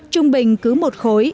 trung bình cứ một khối